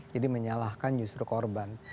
jadi menyalahkan justru korban